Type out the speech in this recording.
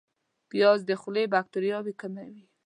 پیاز د خولې باکتریاوې کموي